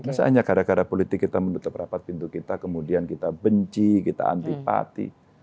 masanya gara gara politik kita menutup rapat pintu kita kemudian kita benci kita antipati